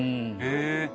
へえ。